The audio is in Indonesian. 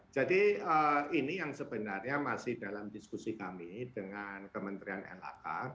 jadi ini yang sebenarnya masih dalam diskusi kami dengan kementerian lhk